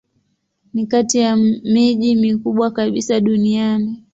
Ni kati ya miji mikubwa kabisa duniani.